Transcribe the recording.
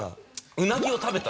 うなぎ食べた。